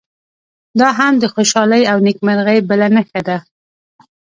دا هم د خوشالۍ او نیکمرغۍ بله نښه ده.